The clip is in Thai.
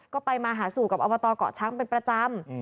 ก็ไปมาหาสู่กับอบตเกาะช้างเป็นประจำ